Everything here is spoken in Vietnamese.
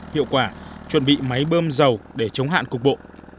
hiệu quả chuẩn bị máy bơm dầu để chống hạn cục bộ